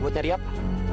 buat nyari apa